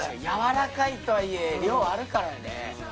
やわらかいとはいえ量あるからね。